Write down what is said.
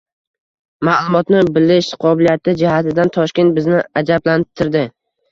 Maʼlumotni bilish qobiliyati jihatidan Toshkent bizni ajablantirdi.